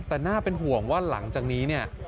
แต่น่าเป็นห่วงว่าหลังจากนี้เนี่ย